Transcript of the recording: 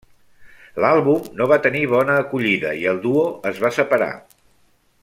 L'àlbum no va tenir bona acollida, i el duo es va separar.